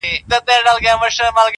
داده پښـــــتانه اشـــــــنــــٰــا.